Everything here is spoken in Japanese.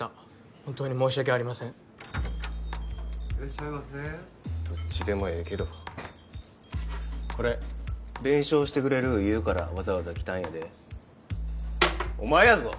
本当に申し訳ありません・いらっしゃいませどっちでもええけどこれ弁償してくれる言うからわざわざ来たんやでお前やぞ！